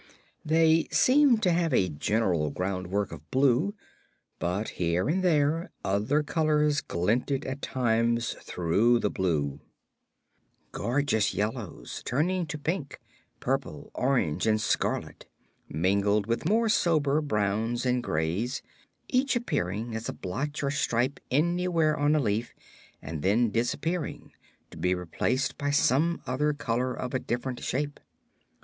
They seemed to have a general groundwork of blue, but here and there other colors glinted at times through the blue gorgeous yellows, turning to pink, purple, orange and scarlet, mingled with more sober browns and grays each appearing as a blotch or stripe anywhere on a leaf and then disappearing, to be replaced by some other color of a different shape.